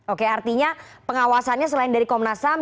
oke artinya pengawasannya selain dari komnas ham